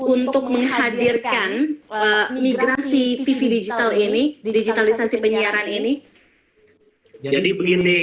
untuk menghadirkan migrasi tv digital ini di digitalisasi penyiaran ini jadi begini